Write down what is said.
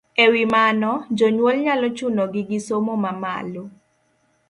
E wi mano, jonyuol nyalo chunogi gi somo mamalo.